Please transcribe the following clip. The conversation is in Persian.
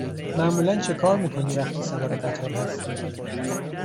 معمولا چکار می کنی وقتی سوار قطار هستی؟